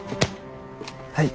はい。